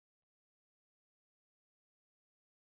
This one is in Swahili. Maambukizi mapya hujitokeza kwakuwa ugonjwa hauna matibabu ya kudumu